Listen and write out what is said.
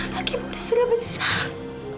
lagi bodoh sudah besar